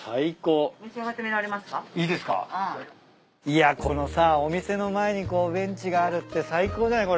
いやこのさお店の前にこうベンチがあるって最高じゃない？